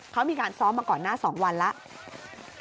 เขามีการซ้อมมาก่อนหน้า๒วันแล้ว